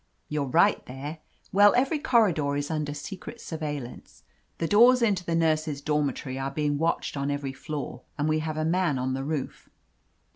"You're right, there. Well, every corridor is under secret surveillance. The doors into the nurses' dormitory are being watched on every floor, and we have a man on the roof."